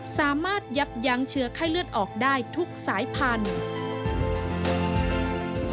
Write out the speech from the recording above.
สามารถยับยั้งเชื้อไข้เลือดออกได้ทุกสายพันธุ์